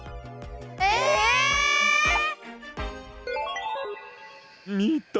ええ！みた？